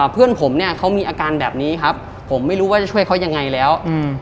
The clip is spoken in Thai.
เพื่อนผมเนี่ยเขามีอาการแบบนี้ครับผมไม่รู้ว่าจะช่วยเขายังไงแล้ว